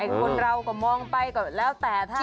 คนเราก็มองไปก็แล้วแต่ถ้า